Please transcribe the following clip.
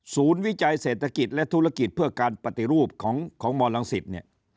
ศูนย์วิจัยเศรษฐกิจและธุรกิจเพื่อการปฏิรูปของของมหาวิทยาลังศิษย์เนี่ย